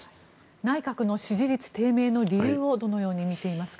内閣の支持率低迷の理由をどのように見ていますか。